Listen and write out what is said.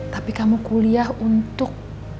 tapi kamu kuliah untuk